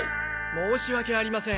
申し訳ありません。